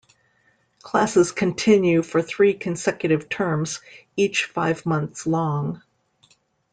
Classes continue for three consecutive terms, each five months long.